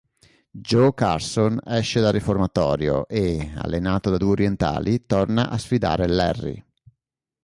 Joe Carson esce dal riformatorio e, allenato da due orientali, torna a sfidare Larry.